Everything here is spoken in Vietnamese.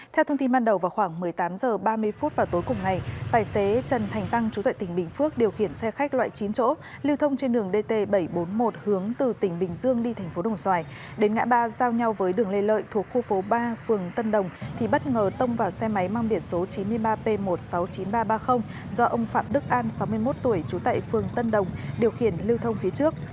theo thông tin ban đầu vào khoảng một mươi tám h ba mươi vào tối cùng ngày tài xế trần thành tăng trú tại tỉnh bình phước điều khiển xe khách loại chín chỗ lưu thông trên đường dt bảy trăm bốn mươi một hướng từ tỉnh bình dương đi thành phố đồng xoài đến ngã ba giao nhau với đường lê lợi thuộc khu phố ba phường tân đồng thì bất ngờ tông vào xe máy mang biển số chín mươi ba p một trăm sáu mươi chín nghìn ba trăm ba mươi do ông phạm đức an sáu mươi một tuổi trú tại phường tân đồng điều khiển lưu thông phía trước